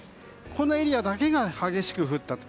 このエリアだけが激しく降ったと。